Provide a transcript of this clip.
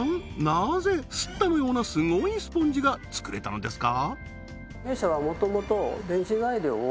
なぜＳＴＴＡのようなすごいスポンジが作れたのですか？